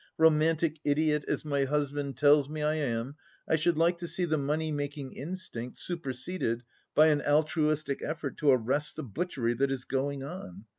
Romantic idiot as my husband tells me I am, I should like to see the money making instinct superseded by an altruistic effort to arrest the butchery that is going on.